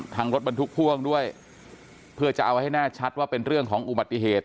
รถบรรทุกพ่วงด้วยเพื่อจะเอาให้แน่ชัดว่าเป็นเรื่องของอุบัติเหตุ